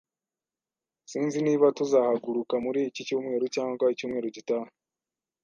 Sinzi niba tuzahaguruka muri iki cyumweru cyangwa icyumweru gitaha